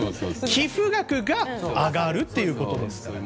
寄付額が上がるということですからね。